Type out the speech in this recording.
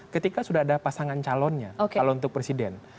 ketika sudah ada pasangan calonnya kalau untuk presiden